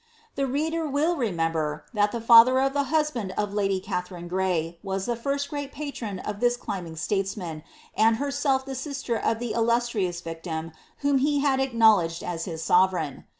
'' The reader will remember, that the father of the husband of lady Katharine Gray was the first great patron of this climbing statesman, ind herself the sister of the illustrious victim whom he had acknow* Migetl as his sovereign.